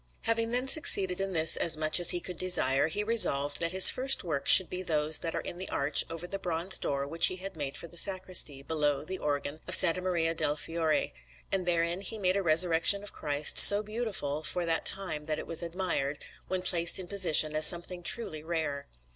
_)] Having then succeeded in this as much as he could desire, he resolved that his first works should be those that are in the arch over the bronze door which he had made for the sacristy, below the organ of S. Maria del Fiore; and therein he made a Resurrection of Christ, so beautiful for that time that it was admired, when placed in position, as something truly rare.